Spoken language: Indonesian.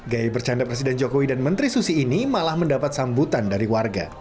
gaya bercanda presiden jokowi dan menteri susi ini malah mendapat sambutan dari warga